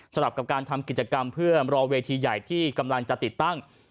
สำหรับกับการทำกิจกรรมเพื่อรอเวทีใหญ่ที่กำลังจะติดตั้ง